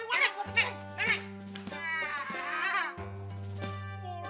neng buatan gue